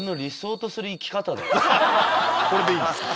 これでいいんですか？